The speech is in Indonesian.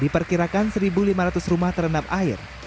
diperkirakan satu lima ratus rumah terendam air